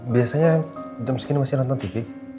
biasanya jam segini masih nonton tv